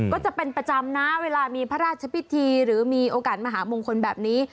ก็จะเป็นประจำนะเวลามีพระราชพิธีหรือมีโอกาสมหามงคลแบบนี้